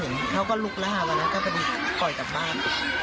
ไม่เห็นเขาก็ลุกแล้วครับวันนั้นก็ไปดีกว่าปล่อยจากบ้าน